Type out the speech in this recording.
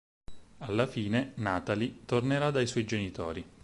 Alla fine Natalie tornerà dai suoi genitori.